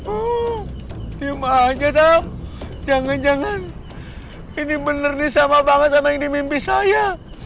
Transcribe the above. oh iya maja dam jangan jangan ini bener nih sama banget sama yang di mimpi saya